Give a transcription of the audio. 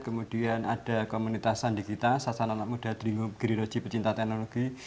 kemudian ada komunitasan di kita sasaran anak muda telingo geri roji pecinta teknologi